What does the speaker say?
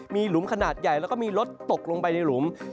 มีหลุมขนาดใหญ่แล้วก็มีรถตกลงไปในหลุม